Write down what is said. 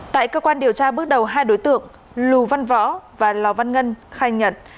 tại cơ quan điều tra bước đầu hai đối tượng lù văn võ và lò văn ngân khai nhận